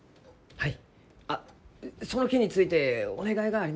はい。